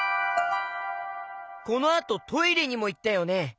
このあとトイレにもいったよね。